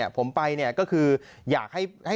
ผมไปอยากให้